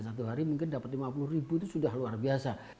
satu hari mungkin dapat lima puluh ribu itu sudah luar biasa